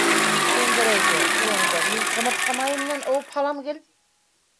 Шәңгәрәйҙе... улыңды мин ҡымыртҡа майы менән ыуып һалам гел...